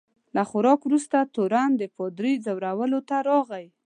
له خوراک وروسته تورن د پادري ځورولو ته راغی.